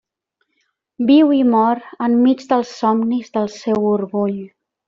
Viu i mor enmig dels somnis del seu orgull.